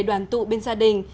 đoàn tụ bên gia đình